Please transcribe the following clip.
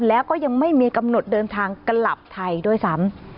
แล้วก็ยังไม่มีกำหนดเดินทางกลับไทยด้วยซ้ำ